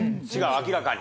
明らかに。